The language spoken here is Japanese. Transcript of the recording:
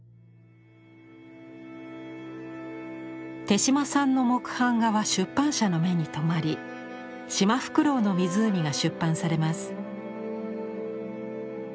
手島さんの木版画は出版社の目に留まり「しまふくろうのみずうみ」が出版されます。